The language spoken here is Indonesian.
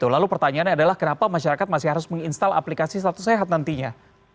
lalu pertanyaannya adalah kenapa masyarakat masih harus meng install aplikasi satu sehat nantinya